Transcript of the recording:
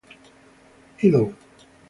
Edel.